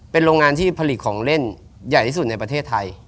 เป็นโรงงานที่ผลิตของเล่นใหญ่ที่สุดในประเทศไทย